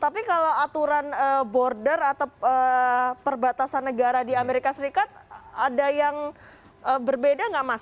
tapi kalau aturan border atau perbatasan negara di amerika serikat ada yang berbeda nggak mas